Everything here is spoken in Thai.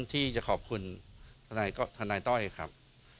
ที่จะขอบคุณทนายต้อยครับ